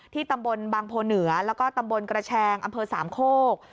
ตำบลบางโพเหนือแล้วก็ตำบลกระแชงอำเภอสามโคก